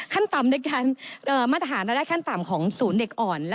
ขั้นต่ำด้วยการมทหารร่ายขั้นต่ำของศูนย์เด็กอ่อน